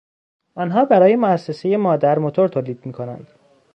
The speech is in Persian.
آنها برای موسسهی مادر موتور تولید میکنند.